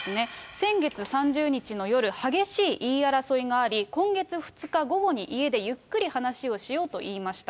先月３０日の夜、激しい言い争いがあり、今月２日午後に家でゆっくり話をしようと言いました。